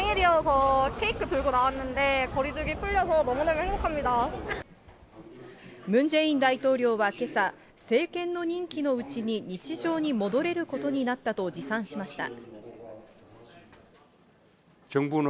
ムン・ジェイン大統領はけさ、政権の任期のうちに日常に戻れることになったと自賛しました。